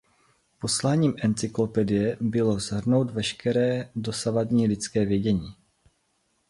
Posláním "Encyklopedie" bylo shrnout veškeré dosavadní lidské vědění.